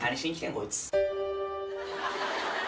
こいつ。